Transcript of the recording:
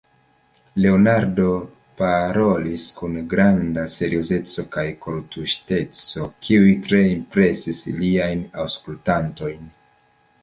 Leonardo parolis kun granda seriozeco kaj kortuŝiteco, kiuj tre impresis liajn aŭskultantojn.